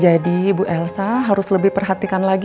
jadi bu elsa harus lebih perhatikan lagi